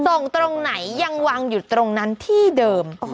ตรงไหนยังวางอยู่ตรงนั้นที่เดิม